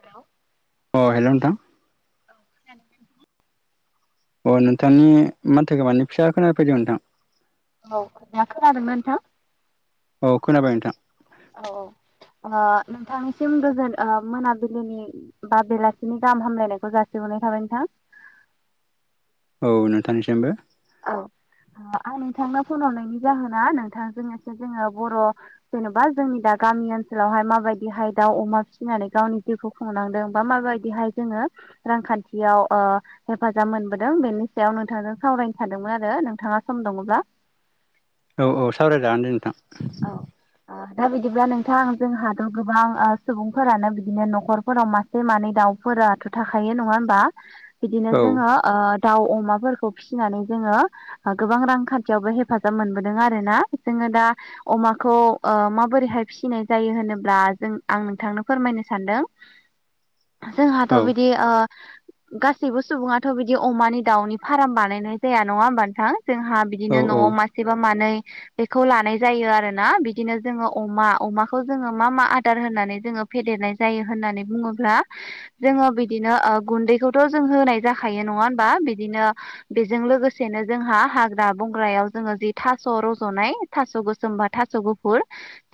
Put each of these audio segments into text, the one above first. Hello अ hello नोंथां। [unintelligible] अ नोंथांनि मानथोखौ मानिे फिसा खोनाफैदो नोंथां। औ खोना खोनादोंना नोंथां? औ खोनाबाय नोंथां। औ औ। नोंथांनिसिम गोजोन मोनाबिलिनि बा बेलासिनि गाहाम हामलायनायखौ जासिबो थाबाय नोंथां। औ नोंथांनिसिमबो। औ। आं नोंथांनो फन हरनायनि जाहोना नोंथांजों एसे जोङो बर' जेन'बा जोंनि गामि ओनसोलावहाय माबायदिहाय दाउ अमा फिसिनानै गावनि जिउखौ खुंनांदों बा माबायदिहाय जोङो रांखान्थियाव हेफाजाब ओ मोनबोदों बेनि सायाव नोंथांजों सावराय सानदोंमोन आरो नोंथाङा सम दङब्ला? औ औ सावरायजागोन दे नोंथां। औ दा बिदिब्ला नोंथां जोंहाथ' गोबां सुबुंफोरानो बिदिनो न'खरफोराव मासे मानै दाउफोराथ' थाखायो नङा होमबा बिदिनो औ जोङो ओ दाउ अमाफोरखौ फिसिनानै जोङो गोबां रांखान्थियावबो हेफाजाब मोनबोदों आरोना जोङो दा अमाखौ ओ माबोरैहाय फिसिनाय जायो होनोब्ला जों आं नोंथांनो फोरमायनो सानदों। जोंहाथ' औ बिदि ओ गासैबो सुबुङाथ' बिदि अमानि दाउनि फार्म बानायनाय जाया नङा होमबा नोंथां? जोंहा औ बिदिनो औ औ न'आव मासेबा मानै बेखौ लानाय जायो आरोना बिदिनो जोङो अमा अमाखौ जोङो मा मा आदार होननानै जोङो फेदेरनाय जायो होन नानै बुङोब्ला जोङो बिदिनो गुन्दैखौथ' जों होनाय जाखायो नङा होमबा बिदिनो बेजों लोगोसेनो जोंहा हाग्रा बंग्रायाव जोङो जि थास' रज'नाय थास' गो जेनबा थास' गुफुर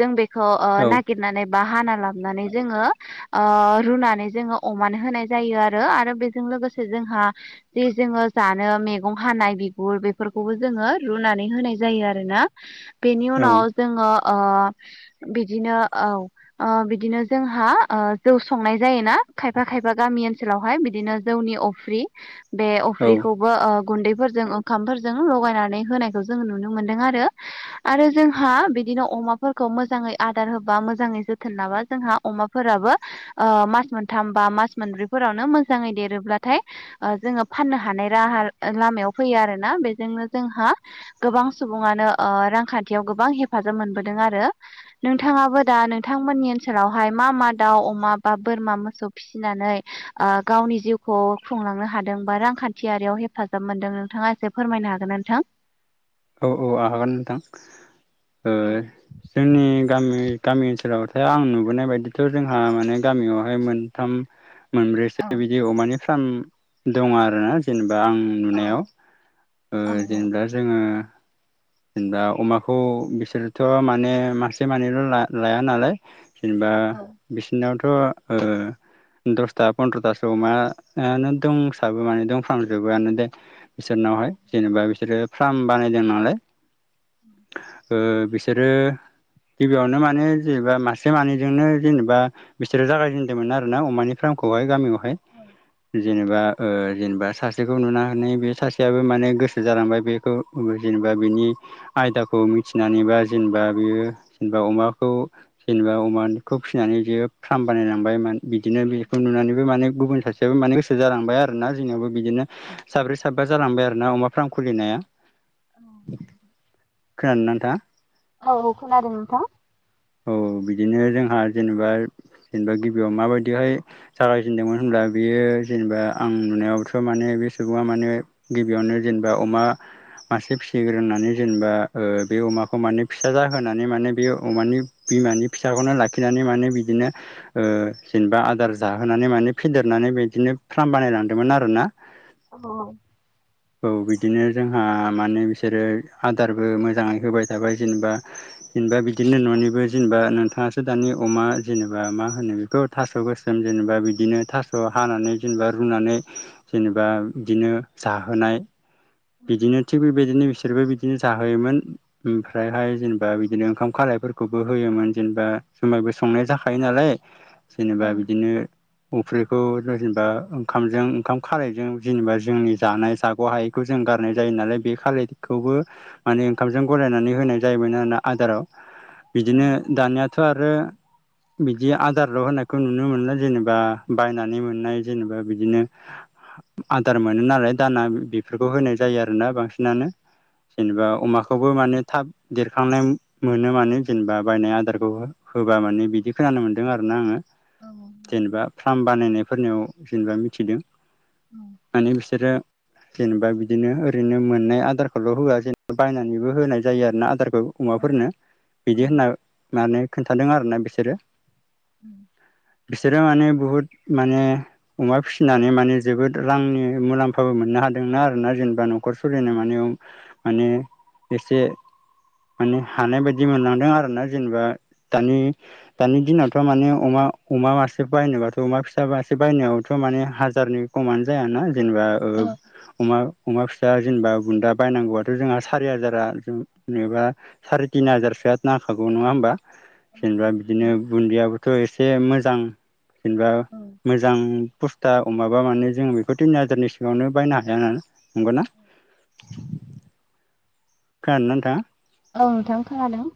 जों बेखौ ओ औ नागिरनानै बा हाना लाबनानै जोङो ओ रुनानै जोङो अमानो होनाय जायो आरो आरो बेजों लोगोसे जोंहा जे जोङो जानो मेगं हानाय बिगुर बेफोरखौबो जोङो रुनानै होनाय जायो आरोना बेनि उनाव औ जोङो ओ बिदिनो औ ओ बिदिनो जोंहा ओ जौ संनाय जायोना खायफा खायफा गामि ओनसोलावहाय बिदिनो जौनि अफ्रि बे अफ्रिखौबो ओ गुन्दैफोरजों ओंखामफोरजों लगायनानै होनायखौ जोंङो नुनो मोनदों आरो। आरो जोंहा बिदिनो अमाफोरखौ मोजाङै आदार होबा मोजाङै जोथोन लाबा जोंहा अमाफोरा बो ओ मास मोनथाम बा मास मोनब्रैफोरावनो मोजाङै देरोब्लाथाय ओ जोङो फाननो हानाय राहा लामायाव फैयो आरोना बेजोंनो जोंहा गोबां सुबुङानो ओ रां खान्थियाव गोबां हेफाजाब मोनबोदों आरो नोंथाङाबो दा नोंथांमोननि ओनसोलावहाय मा मा दाउ, अमा बा बोरमा मोसौ फिसिनानै ओ गावनि जिउखौ खुंलांनो हादों बा रांखा न्थियारियाव हेफाजाब मोनदों नोंथाङा एसे फोरमायनो हागोन ना नोंथां? औ औ आं हागोन नोंथां। ओ औ जोंनि गामि गामि ओनसोलावथ' आं नुबोनाय बायदिथ' जोंहा माने गामियावहाय मोनथाम मोनब्रैसो बिदि अमानि फार्म दङ आरोना जोंनि दा आं नुनायाव ओ औ जेनेबा जोङो जेनेबा अमाखौ बिसोरोथ' माने मासे मानैल' ला-लाया नालाय जेनेबा बिसोनावथ' ओ दसथा पन्द्र'थासो अमायानो दंसाबो माने दंफ्रामजोबोआनो दे बिसोरनावहाय जेनेबा बिसोरो फार्म बानायदों नालाय [inaudible] ओ बिसोरो गिबियावनो माने जेनेबा मासे मानैजोंनो जेनेबा बिसोरो जागायजेनदोंमोन आरोना अमानि फ्राम खौहाय गामियावहाय जेनेबा ओ जेनेबा सासेखौ नुनानै बे सासेयाबो माने गोसो जालांबाय बेखौ नु जेनेबा बिनि आयदाखौ मिथिनानै बा जेनेबा बियो बा अमाखौ जेनेबा अमाखौ फिसिनानै जे फार्म बानायलांबायमोन बिदिनो बेखौ नुनानैबो माने गुबुन सासेयाबो माने गोसो जालांबाय आरोना जोंनियावबो बिदिनो साब्रै साबबा जालांबाय आरोना अमा फार्म खुलिनाया। औ खोनादोंना नोंथाङा? औ औ खोनादों नोंथां। औ बिदिनो जोंहा जेनेबा जेनेबा गिबियाव माबायदिहाय जागायजेनदोंमोन होनब्ला दा बेयो जेनेबा आं नुनायावथ' माने बे सुबुङा माने गिबियावनो जेनेबा अमा मासे फिसिग्रोनानै जेनेबा ओ बे अमाखौ माने फिसा जाहोनानै माने बे अमानि बिमानि फिसाखौनो लाखिनानै माने बिदिनो ओ जेनेबा आदार जाहोनानै माने फेदेरना माने बिदिनो फ्राम बानायलांदोंमोन आरो ना। [unintelligible] औ बिदिनो जोंहा माने बिसोरो आदारबो मोजाङै होबाय थाबाय जेनेबा जेनेबा बिदिनो न'निबो जेनेबा नोंथाङासो दानि अमा जेनेबा मा होनो बेखौ थास' गोसोम जेनेबा बिदिनो थास' हानानै जेनेबा रुनानै जेनेबा बिदिनो जा होनाय बिदिनो थिग बेबायदिनो बिसोरबो बिदिनो जाहोयोमोन ओमफ्रायहाय जेनेबा बिदिनो ओंखाम खालायफोरखौबो होयोमोन जेनेबा जुमायबो संनाय जाखायो नालाय जेनेबा बिदिनो अफ्रि खौ जेनेबा ओंखामजों ओंखाम खालायजों जेनेबा जोंनि जानाय जाग'हायैखौ जों गारनाय जायो नालाय बे खालायखौबो माने ओंखामजों गलायनानै होनाय जायोमोन आरो ना। आदाराव बिदिनो दानियाथ' आरो [inaudible] बिदि आदारल' होनायखौ नुनो मोनला जेनेबा बायनानै मोननाय जेनेबा बिदिनो आदार मोनो नालाय दाना बेफोरखौ होनाय जायो आरोना बांसिनानो जेनेबा अमाखौबो माने थाब देरखांनाय मोनो माने जेनेबा बायनाय आदारखौ होबा माने बिदि खोनानो मोनदों आरोना आङो। जेनेबा फार्म बानायनायफोरनियाव जेनेबा मिथिदों माने बिसोरो जेनेबा बिदिनो ओरैनो मोननाय आदारखौल' होआ जेनबा बायनानैबो होनाय जायो आरोना आदारखौ। अमाफोरनो बिदि होनना माने खोन्थादों आरोना बिसोरो। उम बिसोरो माने बुहुद माने अमा फिसिनानै माने जोबोद रांनि मुलाम फाबो मोननो हादोंनो आरोना जेनेबा न'खर सलायनाय माने माने एसे माने हानाय बायदि मोनलांदों आरोना जेनेबा दानि दानि दिनावथ' माने अमा अमा मासे बायनोबाथ' अमा फिसा मासे बायनायावथ' माने हाजारनि खमानो जायाना जेनेबा ओ अमा अमा फि दा जेनेबा गुन्दा बायनांगौबाथ' जोंहा सारि हाजारा जेनेबा सारि तिन हाजारसोआ नां खागौ नङा होमबा जेनेबा बिदिनो बुन्दियाबोथ' एसे मोजां जेनेबा मोजां पुस्ता अमाबा माने जों बेखौ तिन हाजारनि सिंयावनो बायनो हायाना नंगौ ना। खोनादों ना नोंथाङा? औ नोंथां खोनादों।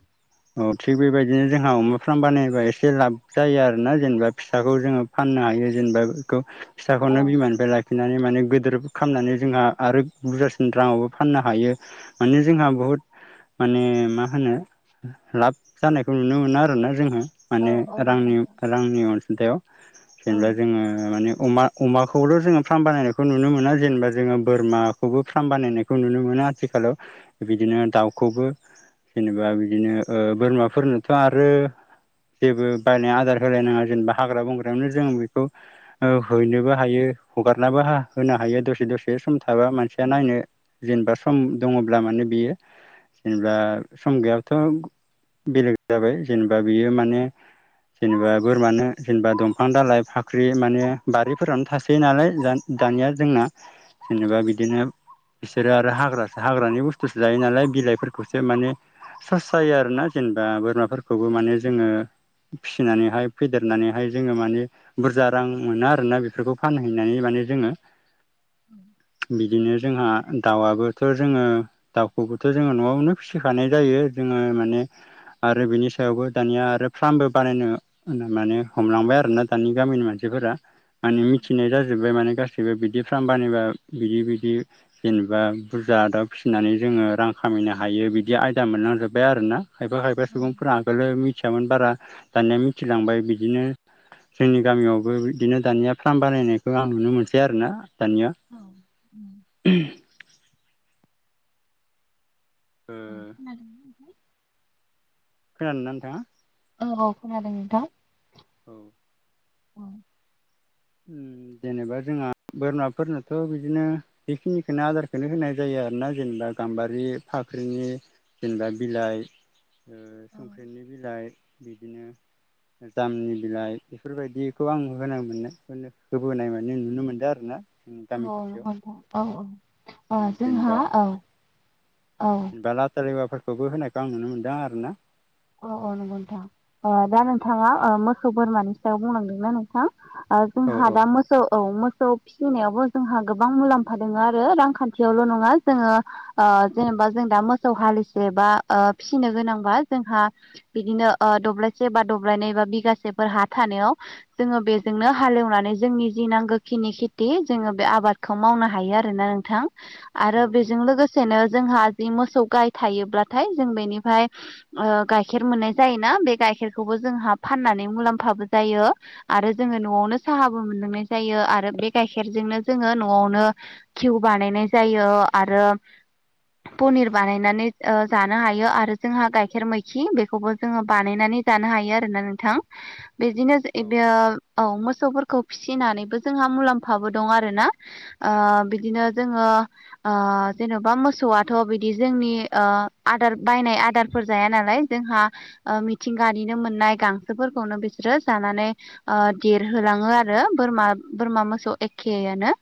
औ थिग बेबायदिनो जोंहा अमा फार्म बानायबा एसे लाब जायो आरोना जेनेबा फिसाखौ जोङो फाननो हायो। जेनेबा बेखौ फिसाखौनो बिमानिफ्राय लाखि नानै माने गोदोर खामनानै जोंहा आरो बुरजासिन राङावबो फाननो हायो माने जोंहा बहुद माने मा होनो लाब जानायखौ नुनो मोनो आरोना जोङो। माने रांनि रांनि अनसुंथायाव जेनेबा जोङो माने अमा अमाखौल' जोङो फार्म बानायनायखौ नुनो मोना जेनेबा जोङो बोरमाखौबो फार्म बानायनायखौ नुनो मोनो आथिखा लाव बिदिनो दाउखौबो जेनेबा बि बदिनो ओ बोरमाफोरनोथ' आरो जेबो बायनाय आदार होलायनाङा जेनेबा हाग्रा बंग्रायावनो जों बेखौ ओ हैनोबो हायो। हगारनाबो हा होनो हायो दसे दसे सम। माबा मानसिया नायनो जेनेबा सम दङब्ला माने बियो जेनेबा सम गैया थ' बेलेग जाबाय जेनेबा बियो माने जेनेबा बोरमानो जेनेबा दंफां दालाइ फाख्रि माने बारिफोरावनो थासोयो नालाय। दानिया जोंना जेनेबा बिदिनो बिसोरो आरो हाग्रा हाग्रानि बुस्थुसो जायो नालाय बिलाइ फोरखौसो माने सस जायो आरोना जेनेबा बोरमाफोरखौबो माने जोङो फिसिनानैहाय फेदेरनानैहाय जोङो माने बुरजा रां मोनो आरोना बेफोरखौ फानहैनानै माने। जे जोङो बिदिनो जोंहा दाउआबोथ जोङो दाउखौबोथ जोङो न'आवनो फिसिखानाय जायो जोङो माने आरो बिनि सायावबो दानिया आरो फार्मबो बानायनो माने हमलांबाय आरोना दानि गामिनि मानसि फोरा माने मिथिनाय जाजोबबाय माने गा सिबो बिदि फार्म बानायबा बिदि बिदि जेनेबा बुरजा दाउ फिसिनानै जोङो रां खा मायनो हायो बिदि आयदा मोनलांजोब्बाय आरोना? खायफा खायफा सुबुंफोरा आगोलो मिथियामोन बारा। दानिया मिथिलांबाय बिदिनो जोंनि गामियावबो बिदिनो दानिया फार्म बानायनायखौ आं नुनो मोनसै आरो ना दानिया। ओ औ खोनादों ना नोंथां खोनादों ना नोंथाङा? औ औ खोनादों नोंथां। औ। औ उम जेनेबा जोंहा बोरमाफोरनोथ बिदिनो बेखिनिखोनो आदारखो होनाय जायो आरोना जेनेबा गाम्बारि फाख्रिनि जेनेबा बिलाइ ओ संख्रिनि बिलाइ, बिदिनो जामनि बिलाइ बेफोरबायदिखौ आं होनो मोनो। बेखौनो होबोनाय मे नुनो मोन्दों आरो ना। औ नंगौ नोंथां औ औ ओ जोंहा औ। औ दा लाथा लेवाफोरखौबो होनायखो आं नुनो मोनदों आरो ना अ अ नंगौ नोंथां ओ दा नोंथाङा मोसौ बोरमानि सायाव बुंलांदोंना नोंथां ओ औ जोंहा औ दा मोसौ औ। मोसौ फिसिनायावबो जोंहा गोबां मुलाम्फा दङो आरो रांखान्थियावल नङा जोङो ओ जेने बा जों दा मोसौ हालिसे बा ओ फिसिनो गोनांबा जोंहा बिदिनो ओ दब्लायसे बा दब्लायनै बा बिगासेफोर हा थानायाव जोङो बेजों नो हालेवनानै जोंनि जि नांगौखिनि खेथि जोङो बे आबादखौ मावनो हायो आरोना नोंथां आरो औ बेजों लोगोसेनो जोंहा जि मोसौ गाय थायोब्लाथाय जों बेनिफाय ओ गाइखेर मोननाय जायोना? बे गाइखेरखौबो जोंहा फाननानै मुलाम्फाबो जायो आरो जों ङो न'आवनो साहाबो मोनलांनाय जायो आरो बे गाइखेरजोंनो जोङो न'आवनो खिउ बानायनाय जायो आरो पनिर बानायनानै ओ जानो हायो आरो जोंहा गाइ खेर मैखि बेखौबो जोङो बानायनानै जानो हायो आरोना नोंथां बेदिनो औ ओ औ मोसौफोरखौ फिसिनानैबो जोंहा मुलाम्फाबो दं आरोना ओ बिदिनो जोङो ओ जेन'बा मोसौआथ' बिदि जोंनि ओ आदार बायनाय आदार फोर जाया नालाय जोंहा मिथिंगानिनो मोननाय गांसोफोरखौनो बिसोरो जानानै ओ देरहोलाङो आरो बोरमा बोरमा मोसौ एखेआनो।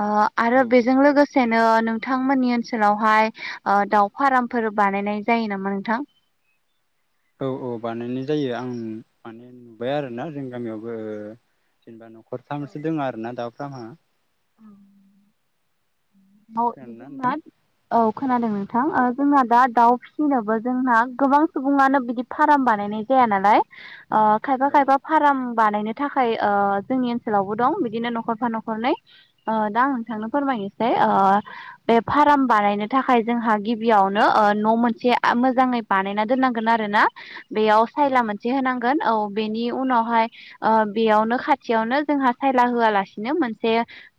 ओ आरो औ औ बेजों लोगोसेनो नों थांमोननि ओनसोलावहाय ओ दाउ फारमफोर बानायनाय जायो नामा नों थां? औ औ बानायनाय जायो आं माने नुबाय आरोना जोंनि गामियावबो जेनेबा न'खरफथामसो दोङ आरो ना दाउ फ्रांमआ। औ। [unintelligible] खोनादोंना नोंथां खोनादों नोंथां। ओ जोंना दा दाउ फिसिनोबो जोंना गोबां सुबुङानो बिदि फार्म बानायनाय जा जाया नालाय? ओ खायफा‌ औ खायफा फाराम बानायनो थाखाय ओ जोंनि ओनसोलावबो दं बिदिनो नखरफा नखरनै। ओ दा आं नोंथांनो फोरमायनो सै ओ बे फार्म बानायनो थाखाय जोंहा गिबियावनो ओ‌ न' मोनसे मोजाङै बानायना दोननांगोन आरो ना बेयाव औ सायला मोनसे होनां गोन औ बेनि उनावहाय ओ बेयावनो खाथियावनो जोंहा सायला होआलासिनो मोनसे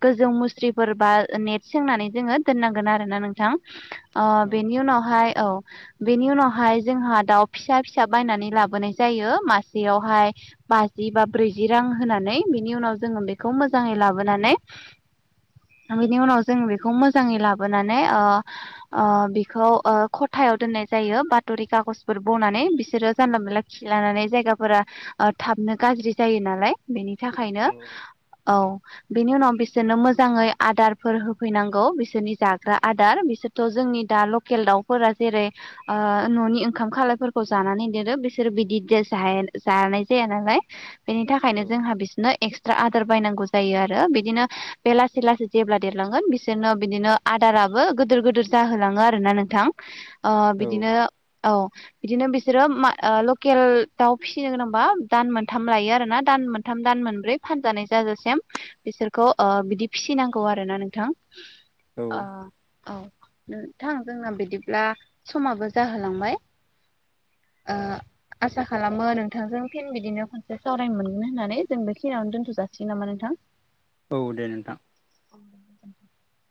गोजौ मुस्रिफोर बा नेट सोंनानै जोङो दोननांगोन आरोना नोंथां ओ बेनि उनावहाय औ बेनि उनावहाय जोंहा दाउ फिसा फिसा बायनानै लाबोनाय जायो मासेयावहाय बाजि बा ब्रैजि रां होनानै बिनि उनाव जोङो बेखौ मोजाङै लाबोनानै बि बिनि उनाव जों बेखौ मोजाङै लाबोनानै ओ ओ बेखौ ओ ख'थायाव दोननाय जायो बाथ'रि कागजफोर बनानै बिसोरो जानला मोनानला खिलानानै जायगाफोरा ओ थाबनो गा गज्रि जायो नालाय बेनि थाखायनो औ औ बेनि उनाव बिसोरनो मोजाङै आदारफोर होफैनांगौ बिसोरनि जाग्रा आदार बिसोरथ' जोंनि दा लकेल दाउफोरा जेरै ओ न'नि ओंखाम खालायफोरखौ जानानै देरो बिसोरो बिदि ज जानाय जाया नालाय बेनि थाखायनो जोंहा बिसोरनो एक्सट्रा आदार बायनांगौ जायो आरो बिदिनो बे लासै लासै जेब्ला देरलांगोन बिसोरनो बिदिनो आदाराबो गिदिर गिदिर जाहोलाङो आरो ना नोंथां औ बिदिनो औ बिदिनो बिसोरो मा लकेल दाउ फिसिनो गोनांबा दान मोनथाम लायो आरोना दान मोनथाम दान मोनब्रै फानजानाय जाजासिम बिसोरखौ बिदि फिसिनांगौ खौ आरोना नोंथां औ औ नोंथां जोंना बिदिब्ला समाबो जाहोलांबाय आ औ आ आसा खालामो नोंथांजों फिन बिदिनो खनसे सावरायनो मोनगोन होननानै जों बे फिनावनो दोनथ' जाासिगोन नामा नोंथां औ दे नोंथां औ